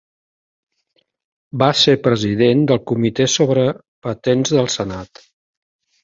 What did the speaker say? Va ser president del Comitè sobre Patents del Senat.